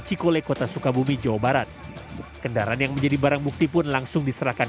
cikole kota sukabumi jawa barat kendaraan yang menjadi barang bukti pun langsung diserahkan